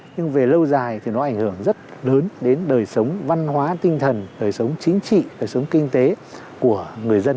nhưng về lâu dài thì nó ảnh hưởng rất lớn đến đời sống văn hóa tinh thần đời sống chính trị đời sống kinh tế của người dân